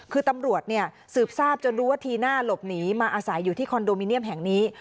คือตำรวจสืบทราบจนรู้ว่าทีน่าหลบหนีมาอาศัยอยู่ที่คอนโดมิเนียมแห่งนี้